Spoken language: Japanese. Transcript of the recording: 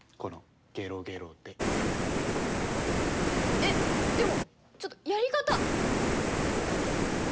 えっでもちょっとやり方。